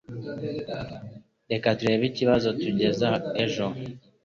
Reka tureke ikibazo kugeza ejo.